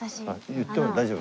言っても大丈夫？